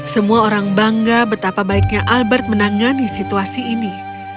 semua orang bangga betapa baiknya albert menangani situasi ini